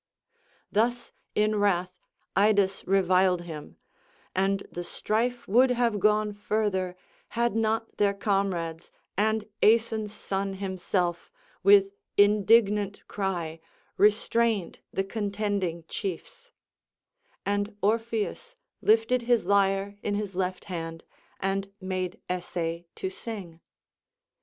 Thus in wrath Idas reviled him, and the strife would have gone further had not their comrades and Aeson's son himself with indignant cry restrained the contending chiefs; and Orpheus lifted his lyre in his left hand and made essay to sing.